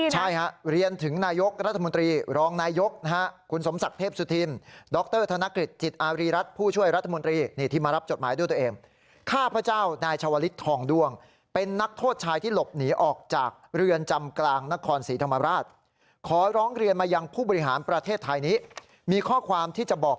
ใช่ฮะเรียนถึงนายกรัฐมนตรีรองนายกนะฮะคุณสมศักดิ์เทพสุธินดรธนกฤษจิตอารีรัฐผู้ช่วยรัฐมนตรีนี่ที่มารับจดหมายด้วยตัวเองข้าพเจ้านายชาวลิศทองด้วงเป็นนักโทษชายที่หลบหนีออกจากเรือนจำกลางนครศรีธรรมราชขอร้องเรียนมายังผู้บริหารประเทศไทยนี้มีข้อความที่จะบอก